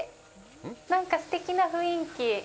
なんかすてきな雰囲気。